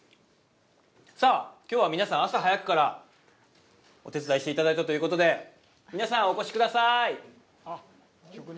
さあ、きょうは、皆さん、朝早くからお手伝いしていただいたということで、皆さん、お越しください。